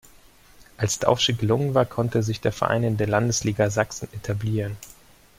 Als der Aufstieg gelungen war, konnte sich der Verein in der Landesliga Sachsen etablieren.